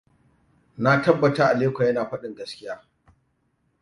Na tabbata Aliko yana faɗin gaskiya.